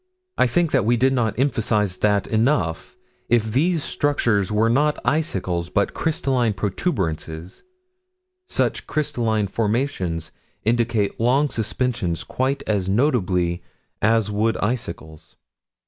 I think that we did not emphasize enough that, if these structures were not icicles, but crystalline protuberances, such crystalline formations indicate long suspension quite as notably as would icicles.